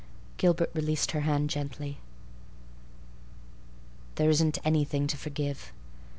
Gilbert released her hand gently. "There isn't anything to forgive.